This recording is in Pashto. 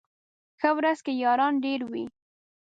ښه ورځ کي ياران ډېر وي